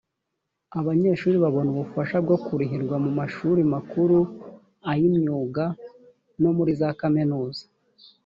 abanyeshuri babona ubufasha bwo kurihirwa mu mashuri makuru ay’imyuga no muri za kaminuza